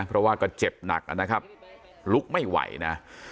เพราะว่าก็เจ็บหนักนะครับลุกไม่ไหวนะ